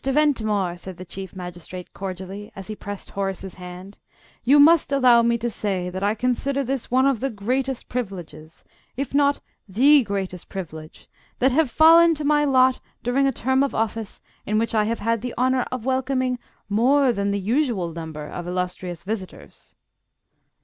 Ventimore," said the Chief Magistrate, cordially, as he pressed Horace's hand, "you must allow me to say that I consider this one of the greatest privileges if not the greatest privilege that have fallen to my lot during a term of office in which I have had the honour of welcoming more than the usual number of illustrious visitors."